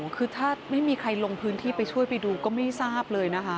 คือถ้าไม่มีใครลงพื้นที่ไปช่วยไปดูก็ไม่ทราบเลยนะคะ